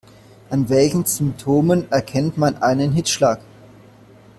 An welchen Symptomen erkennt man einen Hitzschlag?